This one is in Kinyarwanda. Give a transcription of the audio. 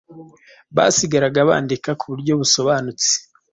basigaraga bandika ku buryo busobanutse